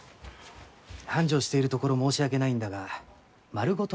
繁盛しているところ申し訳ないんだが丸ごと